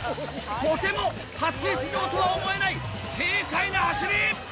とても初出場とは思えない軽快な走り！